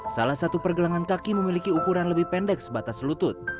salah satu pergelangan kaki memiliki ukuran lebih pendek sebatas lutut